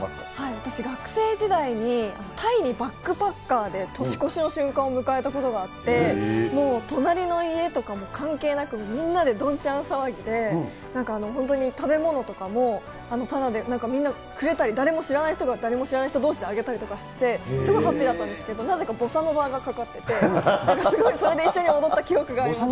私、学生時代にタイにバックパッカーで年越しの瞬間を迎えたことがあって、もう隣の家とかも関係なく、みんなでどんちゃん騒ぎで、なんか本当に食べ物とかも、ただで、みんなくれたり、誰も知らない人が、誰も知らない人どうしであげたりとかしてて、すごいハッピーだったんですけど、なぜかボサノバがかかってて、すごい、それで一緒に踊った記憶があります。